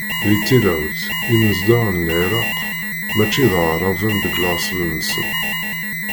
Di tilawt, imezdaɣ n Lεiraq, mačči d Aεraben deg laṣel-nsen.